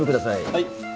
はい。